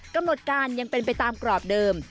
กำหนดการยังเป็นไปตามกรอบเดิม